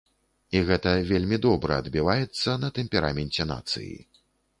І гэта вельмі добра адбіваецца на тэмпераменце нацыі.